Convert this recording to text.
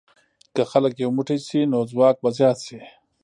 که خلک یو موټی شي، نو ځواک به زیات شي.